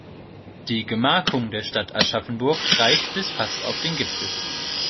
Die Gemarkung der Stadt Aschaffenburg reicht bis fast auf den Gipfel.